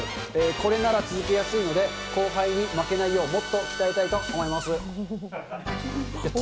これなら続けやすいので、後輩に負けないよう、もっと鍛えたいと思います。